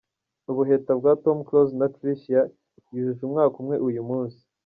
Ubuheta bwa Tom Close na Tricia, yujuje umwaka umwe uyu munsi.